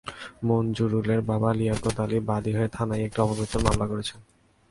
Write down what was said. মঞ্জুরুলের বাবা লিয়াকত আলী বাদী হয়ে থানায় একটি অপমৃত্যুর মামলা করেছেন।